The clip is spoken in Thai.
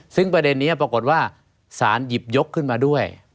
ซึ่งประเด็นนี้ปรากฏว่าสารหยิบยกขึ้นมาด้วย